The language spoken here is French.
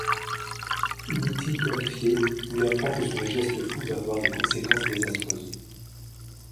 Unity horrifié, lui apprend que son geste fou va avoir des conséquences désastreuses.